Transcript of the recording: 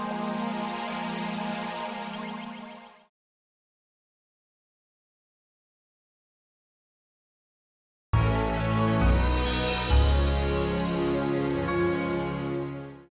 gue gak tahu